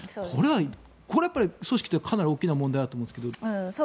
これは組織としてかなり大きな問題だと思うんですが。